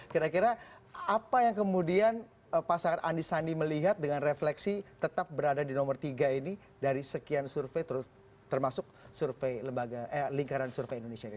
kira kira apa yang kemudian pasangan andi sandi melihat dengan refleksi tetap berada di nomor tiga ini dari sekian survei termasuk lingkaran survei indonesia